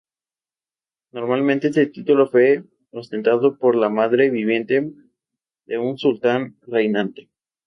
Normalmente, este título fue ostentado por la madre viviente de un sultán reinante.